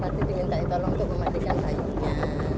pasti dimintai tolong untuk memandikan sayungnya